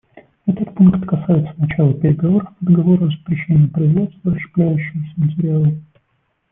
Этот пункт касается начала переговоров по договору о запрещении производства расщепляющегося материала.